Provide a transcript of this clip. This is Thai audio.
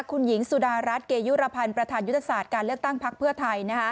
คุณหญิงสุดารัฐเกยุรพันธ์ประธานยุทธศาสตร์การเลือกตั้งพักเพื่อไทย